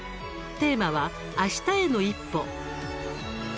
テーマは「明日への一歩」。